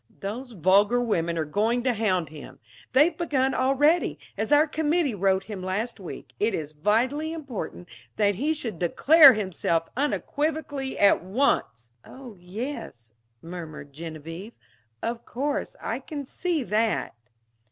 Those vulgar women are going to hound him. They've begun already. As our committee wrote him last week, it is vitally important that he should declare himself unequivocally at once." "Oh, yes," murmured Genevieve, "of course. I can see that."